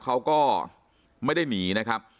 เขาก็ไม่ได้หนีนะครับ